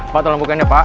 pak tolong bukain dia pak